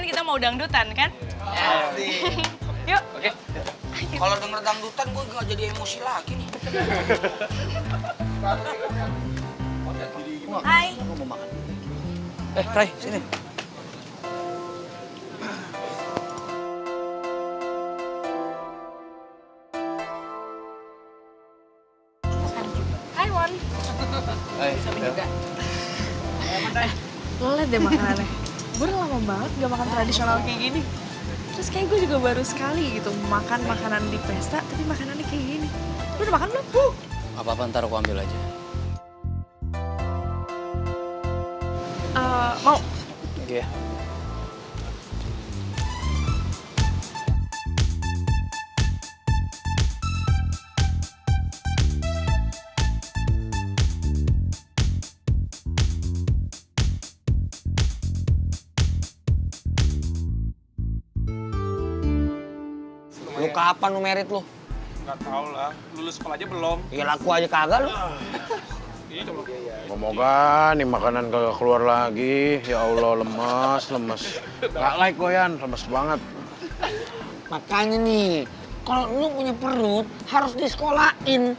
kalau lo punya perut harus disekolahin